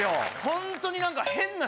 ホントに何か。